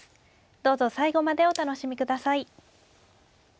どうぞ最後までお楽しみ下さい。